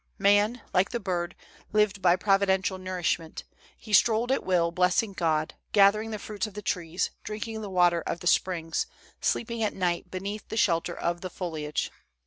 " Man, like the bird, lived by providential nourish ment. He strolled at will, blessing God, gathering the fruits of the trees, drinking the water of the springs, sleeping at night beneath the shelter of the foliage.